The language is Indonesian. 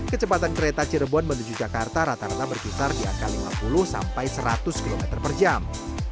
kecepatan kereta cirebon menuju jakarta rata rata berkisar di angka lima puluh sampai seratus km per jam